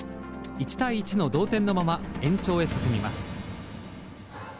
１対１の同点のまま延長へ進みます。